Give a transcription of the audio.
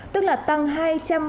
tức là tăng hai trăm ba mươi bốn đồng